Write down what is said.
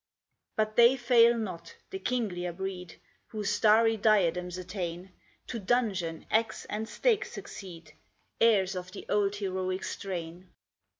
But they fail not, the kinglier breed, Who starry diadems attain; To dungeon, axe, and stake succeed Heirs of the old heroic strain.